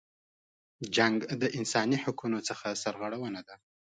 جنګ د انسانی حقونو څخه سرغړونه ده.